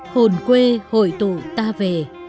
hồn quê hội tụ ta về